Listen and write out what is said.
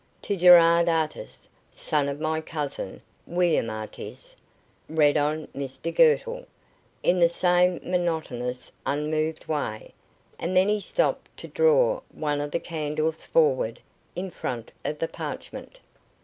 "To Gerard Artis, son of my cousin, William Artis," read on Mr Girtle, in the same monotonous, unmoved way; and then he stopped to draw one of the candles forward in front of the parchment.